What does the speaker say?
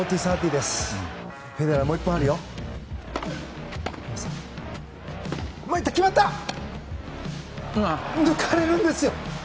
でも、抜かれるんですよ。